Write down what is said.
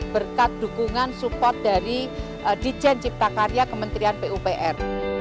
berkat dukungan support dari dijen cipta karya kementerian pupr